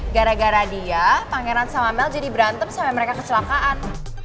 gara gara dia pangeran sama mel jadi berantem sampe mereka kecelakaan